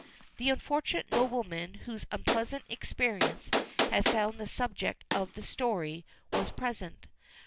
The unfortunate nobleman whose unpleasant experience had founded the subject of this story was present.